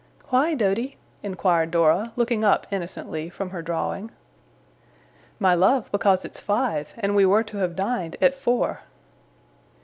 'Why, Doady?' inquired Dora, looking up, innocently, from her drawing. 'My love, because it's five, and we were to have dined at four.